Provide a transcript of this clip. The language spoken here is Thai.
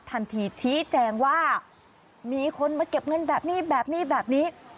ทันทีชี้แจงว่ามีคนมาเก็บเงินแบบนี้แบบนี้แบบนี้แบบนี้